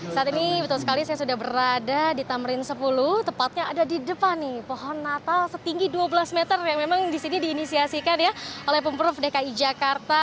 saat ini betul sekali saya sudah berada di tamrin sepuluh tepatnya ada di depan nih pohon natal setinggi dua belas meter yang memang disini diinisiasikan ya oleh pemprov dki jakarta